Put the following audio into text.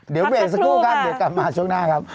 เดี๋ยวเบรกสักครู่ครับเดี๋ยวกลับมาช่วงหน้าครับ